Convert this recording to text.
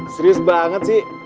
serius banget sih